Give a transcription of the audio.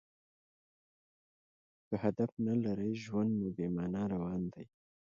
که هدف نه لرى؛ ژوند مو بې مانا روان دئ.